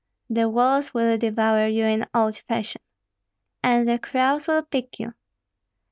"The wolves will devour you, in old fashion." "And the crows will pick you!"